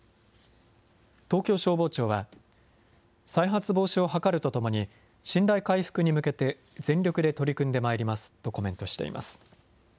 東京消防庁は、再発防止を図るとともに、信頼回復に向けて、全力で取り組んでまいりますとコメントしています。